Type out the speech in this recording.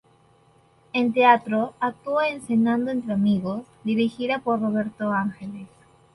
En teatro actuó en "Cenando entre amigos", dirigida por Roberto Ángeles.